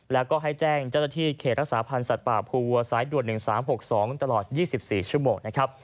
และให้แจ้งจัตรฐีเขตรักษาพันธ์สัตว์ป่าภูวัวสายด่วน๑๓๖๒ตลอด๒๔ชั่วโมง